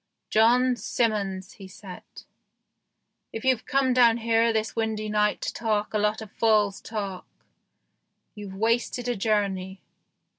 " John Simmons," he said, " if you've come down here this windy night to talk a lot of fool's talk, you've wasted a journey."